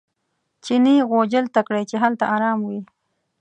چیني غوجل ته کړئ چې هلته ارام وي.